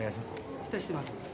期待してますんで。